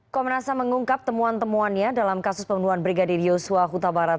komnas ham mengungkap temuan temuannya dalam kasus pembunuhan brigadir yosua huta barat